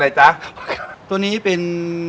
อะไรจ๊ะตัวนี้เป็น